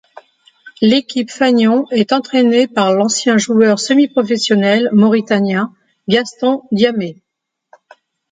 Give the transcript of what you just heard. L'équipe fanion est entrainée par l'ancien joueur semi-professionnel mauritanien Gaston Diamé.